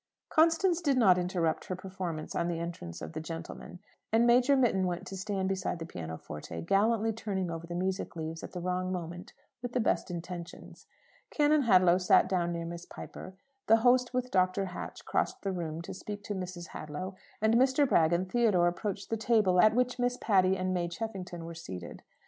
Constance did not interrupt her performance on the entrance of the gentlemen, and Major Mitton went to stand beside the pianoforte, gallantly turning over the music leaves at the wrong moment, with the best intentions. Canon Hadlow sat down near Miss Piper; the host with Dr. Hatch crossed the room to speak to Mrs. Hadlow, and Mr. Bragg and Theodore approached the table, at which Miss Patty and May Cheffington were seated. Mr.